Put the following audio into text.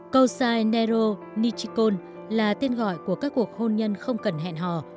kousai nero nichikon là tên gọi của các cuộc hôn nhân không cần hẹn hò